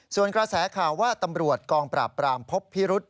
ส่วนกระแสข่าวว่าตำรวจกองปราบปรามพบพิรุษ